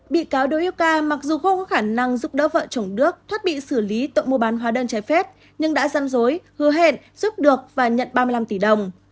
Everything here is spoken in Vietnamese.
bị cáo đỗ y ca mặc dù không có khả năng giúp đỡ vợ chồng đức thoát bị xử lý tội mua bán hóa đơn trái phép nhưng đã răn rối hứa hẹn giúp được và nhận ba mươi năm tỷ đồng